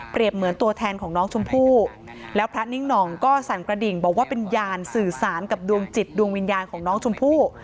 เหมือนตัวแทนของน้องชมพู่แล้วพระนิ่งหน่องก็สั่นกระดิ่งบอกว่าเป็นยานสื่อสารกับดวงจิตดวงวิญญาณของน้องชมพู่